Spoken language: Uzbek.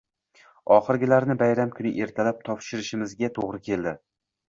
Oxirgilarini bayram kuni ertalab topshirishimizga to`g`ri keldi